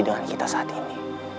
dengan kita saat ini